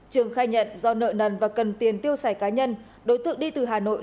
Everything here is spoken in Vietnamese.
trường khai nhận do nợ nần và cần tiền tiêu xài cá nhân đối tượng đi từ hà nội